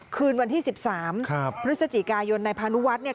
คืนวันที่สิบสามครับพระศจิกายนในพานุวัฒน์เนี่ย